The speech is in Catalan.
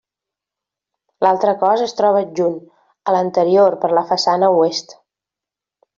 L'altre cos es troba adjunt a l'anterior per la façana oest.